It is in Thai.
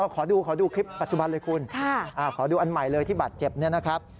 ขอดูขอดูคลิปปัจจุบันเลยคุณขอดูอันใหม่เลยที่บาดเจ็บเนี่ยนะครับ